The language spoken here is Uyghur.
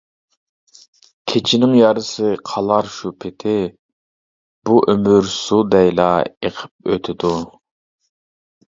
كېچىنىڭ يارىسى قالار شۇ پېتى، بۇ ئۆمۈر سۇ دەيلا ئېقىپ ئۆتىدۇ.